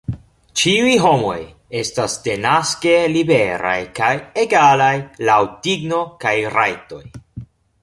Ĉiuj homoj estas denaske liberaj kaj egalaj laŭ digno kaj rajtoj.